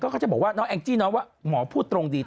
เขาจะบอกว่าน้องแองจี้น้องว่าหมอพูดตรงดี